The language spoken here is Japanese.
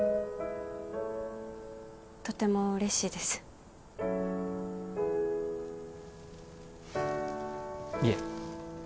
とても嬉しいですいえ